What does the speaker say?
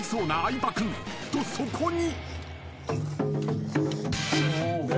［とそこに］